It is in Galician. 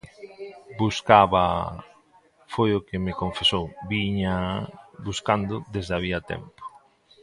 Buscábaa, foi o que me confesou, víñaa buscando desde había tempo.